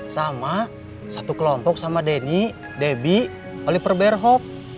sama satu kelompok sama denny debbie oleh perberhok